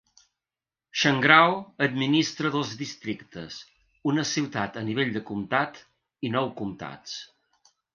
Shangrao administra dos districtes, una ciutat a nivell de comtat i nou comtats.